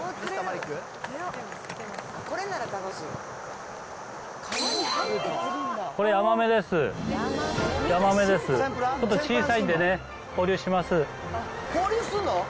ちょっと小さいんでね、放流します。